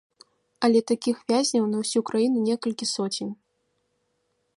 Але такіх вязняў на ўсю краіну некалькі соцень.